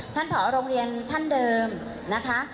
ท่านเพราะโรงเรียนท่านเดิมนะคะ